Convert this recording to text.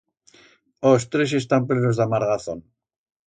Os tres están plenos d'amargazón.